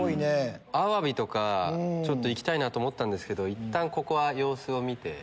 アワビとか行きたいなと思ったんですけどいったんここは様子を見て。